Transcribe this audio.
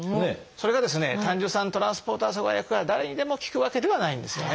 それがですね胆汁酸トランスポーター阻害薬は誰にでも効くわけではないんですよね。